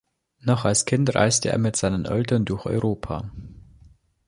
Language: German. Noch als Kind reiste er mit seinen Eltern durch Europa.